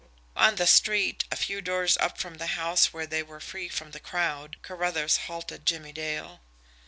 On the street, a few doors up from the house where they were free from the crowd, Carruthers halted Jimmie Dale.